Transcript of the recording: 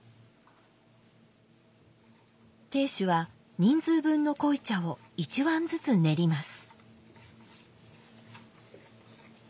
亭主は人数分の濃茶を一碗ずつ練ります。